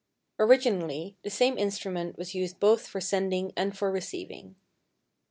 Originally the same instrument was used both for sending and for receiving.